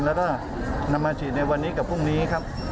แล้วก็นำมาฉีดในวันนี้กับพรุ่งนี้ครับ